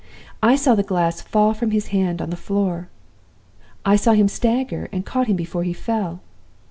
I saw the glass fall from his hand on the floor. I saw him stagger, and caught him before he fell.